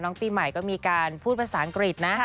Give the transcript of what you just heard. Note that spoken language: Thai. ปีใหม่ก็มีการพูดภาษาอังกฤษนะ